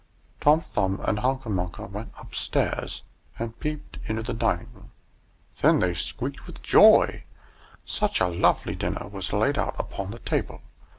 Tom Thumb and Hunca Munca went upstairs and peeped into the dining room. Then they squeaked with joy! Such a lovely dinner was laid out upon the table!